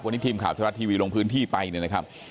วันนี้ทีมข่าวไทยรัฐทีวีลงพื้นที่ไปเนี่ยนะครับ